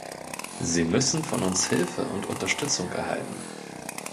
Sie müssen von uns Hilfe und Unterstützung erhalten.